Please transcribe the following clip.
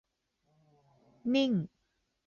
นิ่ง